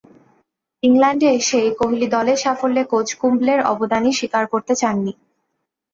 ইংল্যান্ডে এসেই কোহলি দলের সাফল্যে কোচ কুম্বলের অবদানই স্বীকার করতে চাননি।